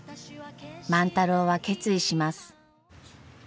万太郎は決意します。